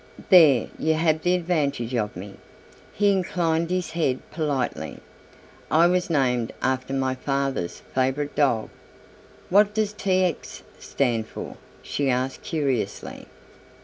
"There you have the advantage of me," he inclined his head politely; "I was named after my father's favourite dog." "What does T. X. stand for?" she asked curiously.